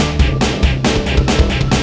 udah sampe tiwana